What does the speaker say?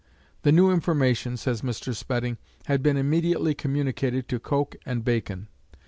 "The new information," says Mr. Spedding, "had been immediately communicated to Coke and Bacon."